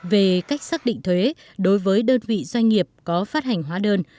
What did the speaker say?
về cách xác định thuế đối với đơn vị doanh nghiệp có phát hành hóa đơn